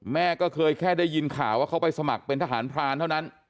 แม่ก็เคยแค่ได้ยินข่าวว่าเขาไปสมัครเป็นทหารพรานเท่านั้น